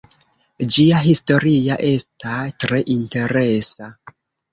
Ĝia historia esta tre interesa.